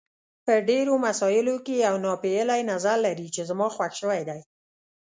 په ډېرو مسایلو کې یو ناپېیلی نظر لري چې زما خوښ شوی دی.